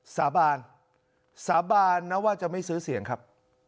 สาบานสาบานนะว่าจะไม่ซื้อเสียงครับ